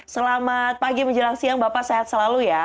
selamat pagi menjelang siang bapak sehat selalu ya